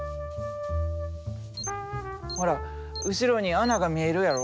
ほら後ろに穴が見えるやろ？